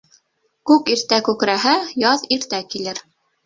Күк иртә күкрәһә, яҙ иртә килер.